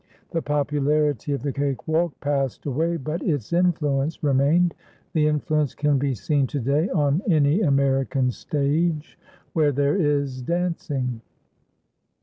The popularity of the cakewalk passed away but its influence remained. The influence can be seen to day on any American stage where there is dancing.